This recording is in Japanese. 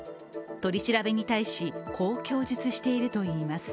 取り調べに対し、こう供述しているといいます。